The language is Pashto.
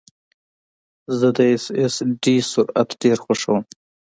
زه د ایس ایس ډي سرعت ډېر خوښوم.